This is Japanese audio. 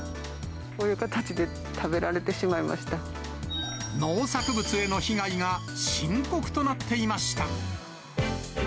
こういう形で食べられてしま農作物への被害が深刻となっていました。